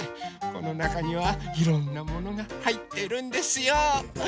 このなかにはいろんなものがはいってるんですよ。